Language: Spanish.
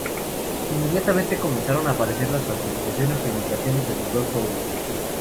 Inmediatamente comenzaron a aparecer las falsificaciones o imitaciones de dudoso origen.